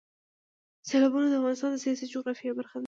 سیلابونه د افغانستان د سیاسي جغرافیه برخه ده.